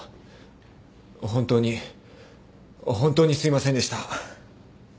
本当に本当にすいませんでした。